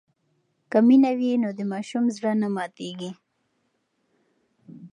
که مینه وي نو د ماشوم زړه نه ماتېږي.